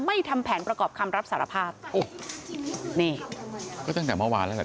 ทำแผนประกอบคำรับสารภาพโอ้โหนี่ก็ตั้งแต่เมื่อวานแล้วแหละ